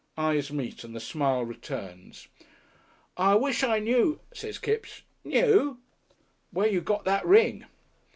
Eyes meet and the smile returns. "I wish I knew " says Kipps. "Knew ?" "Where you got that ring."